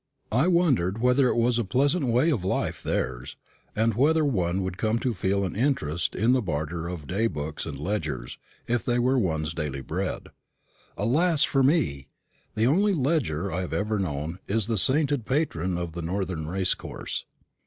I wondered whether it was a pleasant way of life theirs, and whether one would come to feel an interest in the barter of day books and ledgers if they were one's daily bread. Alas for me! the only ledger I have ever known is the sainted patron of the northern racecourse.